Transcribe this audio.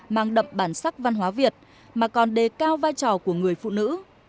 mang đậm bản sắc văn hóa việt mà còn đề cao vai trò của người phụ nữ